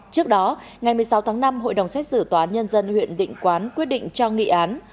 trước đó ngày một mươi sáu tháng năm hội đồng xét xử tòa án nhân dân huyện định quán quyết định cho nghị án